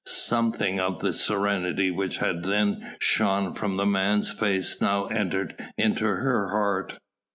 Something of the serenity which had then shone from the man's face now entered into her heart.